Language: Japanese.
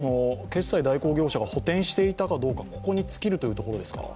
ポイントとしては決済代行業者が補填していたかどうかここに尽きるということですか。